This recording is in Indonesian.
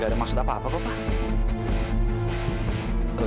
gak ada maksud apa apa kok lah